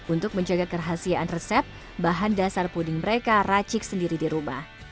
untuk menjaga kerahasiaan resep bahan dasar puding mereka racik sendiri di rumah